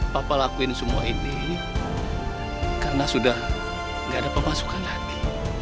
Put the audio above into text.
papa lakuin semua ini karena sudah tidak ada pemasukan lagi